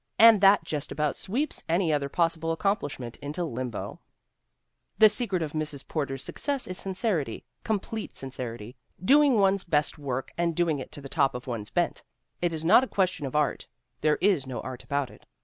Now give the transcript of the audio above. And that just about sweeps any other possible accomplishment into limbo! The secret of Mrs. Porter's success is sincerity, com plete sincerity; doing one's best work and doing it to the top of one's bent. It is not a question of art. There is no art about it.